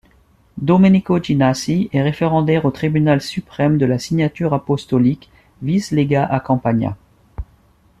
Domenico Ginnasi est référendaire au tribunal suprême de la Signature apostolique, vice-légat à Campagna.